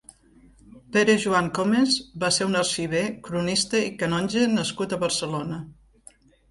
Pere Joan Comes va ser un arxiver, cronista i canonge nascut a Barcelona.